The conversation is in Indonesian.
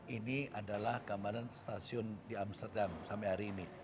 ini adalah gambaran stasiun di amsterdam sampai hari ini